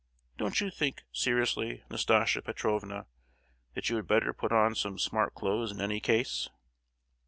Don't you think, seriously, Nastasia Petrovna, that you had better put on some smart clothes in any case?"